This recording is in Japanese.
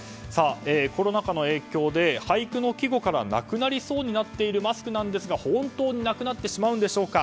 コロナ禍の影響で俳句の季語からなくなりそうになっているマスクなんですが本当になくなってしまうんでしょうか。